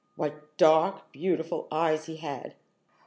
What dark, beautiful eyes he had!